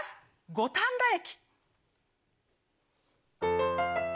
五反田駅。